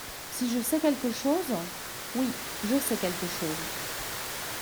Si je sais quelque chose ? Oui, je sais quelque chose.